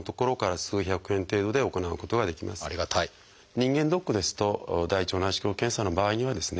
人間ドックですと大腸内視鏡検査の場合にはですね